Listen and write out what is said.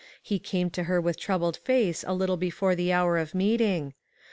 He came to her with troubled face a little before the hour of meeting.